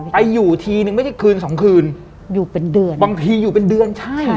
ไปอยู่ทีนึงไม่ได้คืนสองคืนอยู่เป็นเดือนบางทีอยู่เป็นเดือนใช่